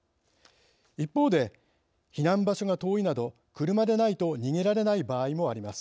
一方で避難場所が遠いなど車でないと逃げられない場合もあります。